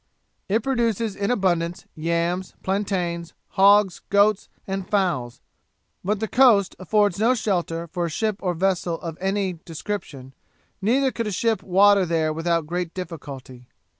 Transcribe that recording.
'It produces in abundance yams, plantains, hogs, goats, and fowls; but the coast affords no shelter for a ship or vessel of any description; neither could a ship water there without great difficulty.